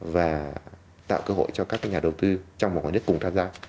và tạo cơ hội cho các nhà đầu tư trong một ngoài đất cùng tham gia